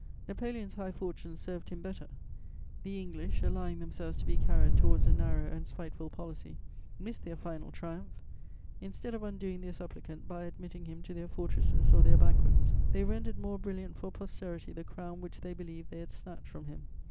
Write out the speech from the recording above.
Napoleon's high fortunes served him better: the English, allowing themselves to be carried towards a narrow and spiteful policy, missed their final triumph; instead of undoing their supplicant by admitting him to their fortresses or their banquets, they rendered more brilliant for posterity the crown which they believed they had snatched from him.